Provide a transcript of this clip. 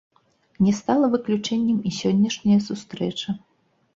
Не стала выключэннем і сённяшняя сустрэча.